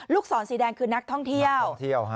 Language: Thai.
ศรสีแดงคือนักท่องเที่ยว